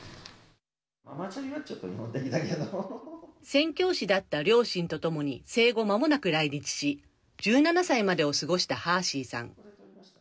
宣教師だった両親とともに生後まもなく来日し１７歳までを過ごしたハーシーさん。